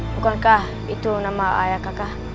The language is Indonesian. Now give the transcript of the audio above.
bukankah itu nama ayah kaka